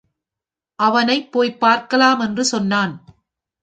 அவனைப் போய்ப் பார்க்கலாம் என்று சொன்னான்.